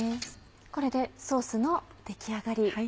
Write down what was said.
これでソースの出来上がり。